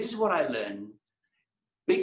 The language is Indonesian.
dan inilah yang saya pelajari